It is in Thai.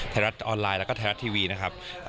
ไทยรัฐออนไลน์แล้วก็ไทยรัฐทีวีนะครับ